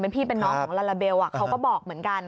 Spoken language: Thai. พี่เป็นน้องของลาลาเบลเขาก็บอกเหมือนกัน